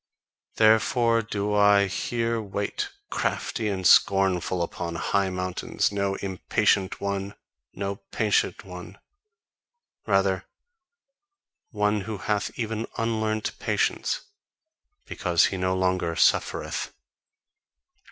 Therefore do I here wait, crafty and scornful upon high mountains, no impatient one, no patient one; rather one who hath even unlearnt patience, because he no longer "suffereth."